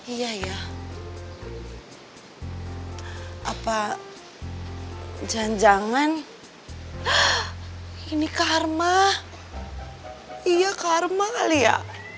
iya ya apa jangan jangan ini karma iya karma kali ya